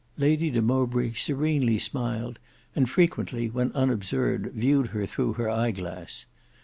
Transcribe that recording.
Lady de Mowbray serenely smiled and frequently when unobserved viewed her through her eyeglass.